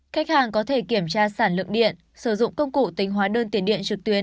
khách hàng có thể kiểm tra sản lượng điện sử dụng công cụ tính hóa đơn tiền điện trực tuyến